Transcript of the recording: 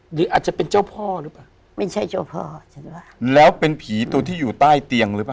หรืออาจจะเป็นเจ้าพ่อหรือเปล่าไม่ใช่เจ้าพ่อใช่ไหมแล้วเป็นผีตัวที่อยู่ใต้เตียงหรือเปล่า